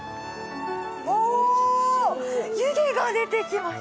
おお、湯気が出てきました。